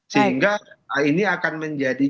sehingga ini akan menjadi